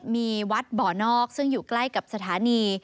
มีวัดบ่อนอกซึ่งอยู่ใกล้กับสถานี